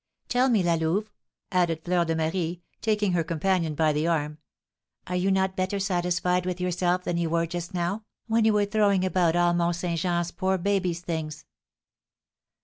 Tell me, La Louve," added Fleur de Marie, taking her companion by the arm, "are you not better satisfied with yourself than you were just now, when you were throwing about all Mont Saint Jean's poor baby's things?"